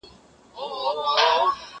دا قلمان له هغو پاک دي!!